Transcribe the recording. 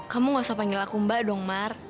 kamu gak usah panggil aku mbak dong mar